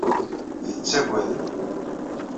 Tettagadem.